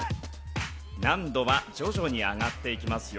難度は徐々に上がっていきますよ。